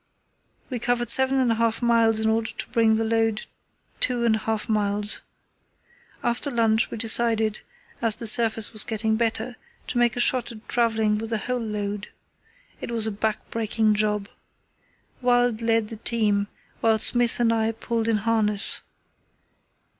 We covered seven and a half miles in order to bring the load two and a half miles. After lunch we decided, as the surface was getting better, to make a shot at travelling with the whole load. It was a back breaking job. Wild led the team, while Smith and I pulled in harness.